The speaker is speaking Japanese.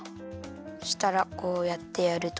そしたらこうやってやると。